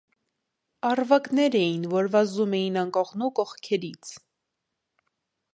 Առվակներ էին, որ վազում էին անկողնի կողքերից: